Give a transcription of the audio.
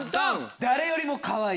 誰よりもかわいい。